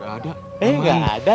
enggak ada enggak ada